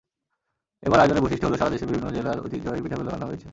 এবার আয়োজনের বৈশিষ্ট্য হলো, সারা দেশের বিভিন্ন জেলার ঐতিহ্যবাহী পিঠাগুলো আনা হয়েছে।